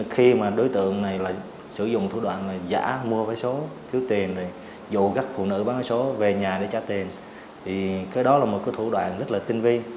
khi mà đối tượng này sử dụng thủ đoạn giả mua vé số thiếu tiền dụ gắt phụ nữ bán vé số về nhà để trả tiền thì cái đó là một thủ đoạn rất là tinh viên